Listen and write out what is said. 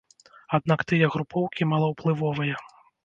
Аднак тыя групоўкі малаўплывовыя.